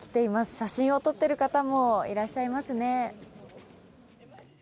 写真を撮ってる方もいらっしゃいますね。